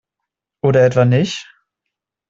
Oder etwa nicht?